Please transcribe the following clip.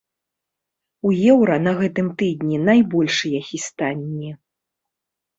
У еўра на гэтым тыдні найбольшыя хістанні.